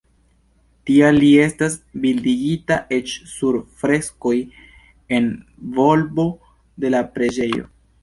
Tial li estas bildigita eĉ sur freskoj en volbo de la preĝejo.